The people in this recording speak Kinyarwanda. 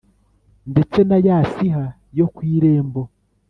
ndetse na ya siha yo ku irembo